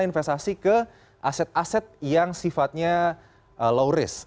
investasi ke aset aset yang sifatnya low risk